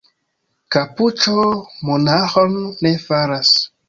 Kapuĉo monaĥon ne faras.